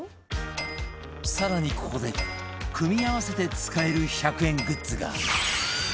更にここで組み合わせて使える１００円グッズが